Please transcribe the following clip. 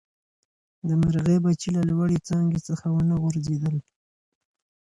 د مرغۍ بچي له لوړې څانګې څخه ونه غورځېدل.